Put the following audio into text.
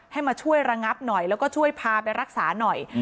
มาช่วยระงับหน่อยแล้วก็ช่วยพาไปรักษาหน่อย